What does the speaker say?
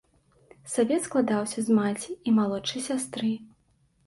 Савет складаўся з маці і малодшай сястры.